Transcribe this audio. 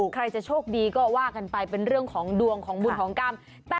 ใครจะโชคดีก็ว่ากันไปเป็นเรื่องของดวงของบุญของกรรม